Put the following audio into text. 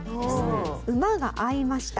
馬が合いました。